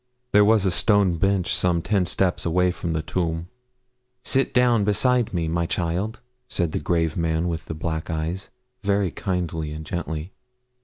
There was a stone bench some ten steps away from the tomb. 'Sit down beside me, my child,' said the grave man with the black eyes, very kindly and gently.